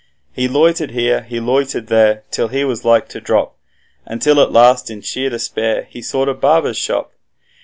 He loitered here, he loitered there, till he was like to drop, Until at last in sheer despair he sought a barber's shop.